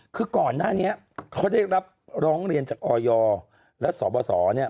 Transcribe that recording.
คือก่อนหน้านี้เขาได้รับร้องเรียนจากออยและสบสเนี่ย